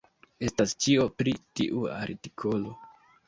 Estas ĉio pri tiu artikolo.